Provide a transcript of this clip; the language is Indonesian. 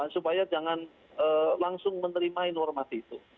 supaya jangan langsung menerimai normasi itu